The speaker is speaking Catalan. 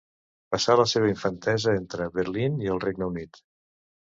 Passà la seva infantesa entre Berlín i el Regne Unit.